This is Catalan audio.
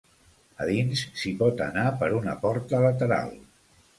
A dins s'hi pot anar per una porta lateral.